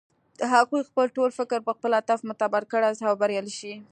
هغوی خپل ټول فکر پر خپل هدف متمرکز کړي او بريالی شي.